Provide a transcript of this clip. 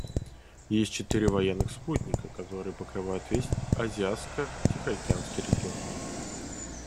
Есть четыре военных спутника, которые покрывают весь Азиатско-Тихоокеанский регион.